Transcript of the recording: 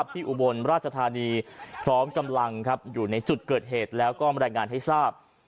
อุบลราชธานีพร้อมกำลังอยู่ในจุดเกิดเหตุแล้วก็มารายงานให้ทราบ